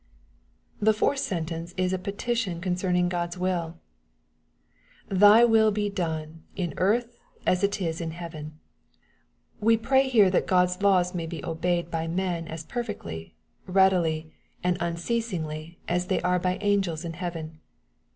^' The fourth sentence is a petition concerning GocPs will :" thy will be done in earth as it is in heaven." We here pray that God's laws may be obeyed by men as perfectly, readily, and unceasingly, as they are by angels in heaven.